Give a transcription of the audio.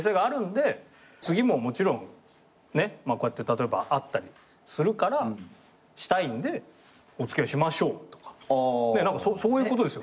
次ももちろんねこうやって例えば会ったりするからしたいんでお付き合いしましょうとか何かそういうことですよ